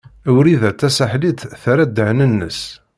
Wrida Tasaḥlit terra ddehn-nnes.